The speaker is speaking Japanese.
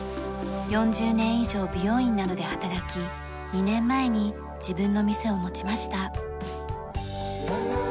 ４０年以上美容院などで働き２年前に自分の店を持ちました。